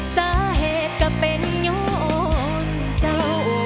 สาเหตุก็เป็นย้อนเจ้า